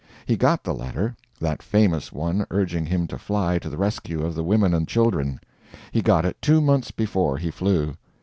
He got the letter that famous one urging him to fly to the rescue of the women and children. He got it two months before he flew.